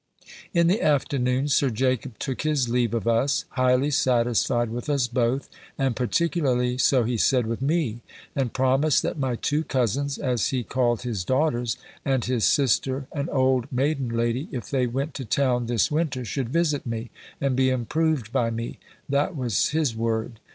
In the afternoon. Sir Jacob took his leave of us, highly satisfied with us both, and particularly (so he said) with me; and promised that my two cousins, as he called his daughters, and his sister, an old maiden lady, if they went to town this winter, should visit me, and be improved by me; that was his word.